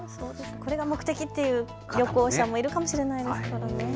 これが目的っていう旅行者もいるかもしれないですね。